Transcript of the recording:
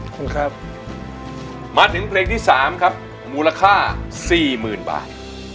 คุณครับมาถึงเพลงที่สามครับมูลค่าสี่หมื่นบาท